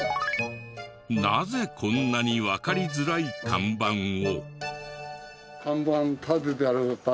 なぜこんなにわかりづらい看板を？